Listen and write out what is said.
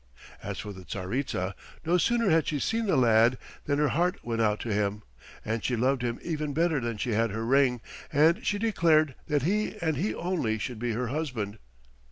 As for the Tsaritsa, no sooner had she seen the lad than her heart went out to him, and she loved him even better than she had her ring, and she declared that he and he only should be her husband.